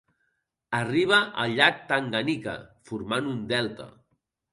Arriba al llac Tanganyika formant un delta.